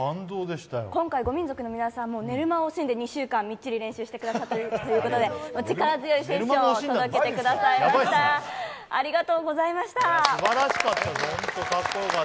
今回ゴミンゾクの皆さん、寝る間を惜しんで２週間、みっちり練習してくださったということで力強いセッションを届けてくれました、ありがとうございました。